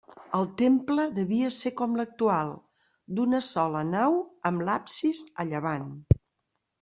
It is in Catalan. El temple devia ser com l'actual: d'una sola nau, amb l'absis a llevant.